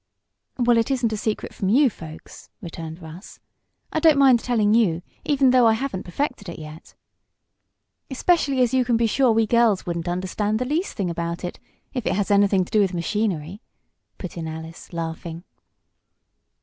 "Well, it isn't a secret from you folks," returned Russ. "I don't mind telling you, even though I haven't perfected it yet." "Especially as you can be sure we girls wouldn't understand the least thing about it if it has anything to do with machinery," put in Alice, laughing.